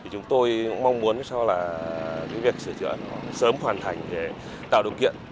chúng tôi cũng mong muốn việc sửa chữa sớm hoàn thành để tạo điều kiện